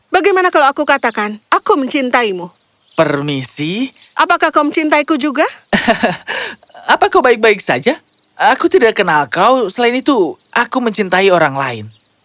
baik saja aku tidak kenal kau selain itu aku mencintai orang lain